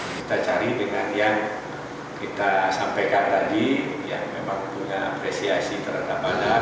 kita cari dengan yang kita sampaikan tadi yang memang punya apresiasi terhadap anak